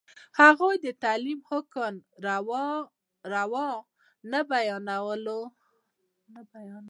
هغوی د تعلیم حکم روڼ نه بیانولو.